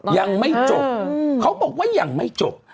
ยังไม่จบเขาบอกว่ายังไม่จบ